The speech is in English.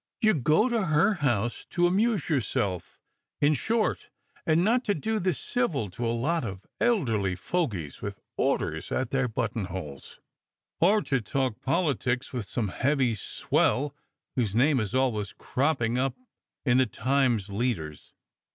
You go to her house to amuse yourself, in short, and not to do the civil to a lot of elderly fogies with orders at their button holes, or to talk politics with some heavy swell whose name is always cropping up in the Timeo leaders."